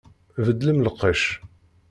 Beddlem lqecc!